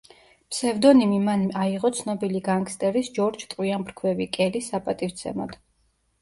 ფსევდონიმი მან აიღო ცნობილი განგსტერის ჯორჯ „ტყვიამფრქვევი“ კელის საპატივცემოდ.